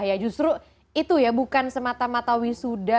ya justru itu ya bukan semata mata wisuda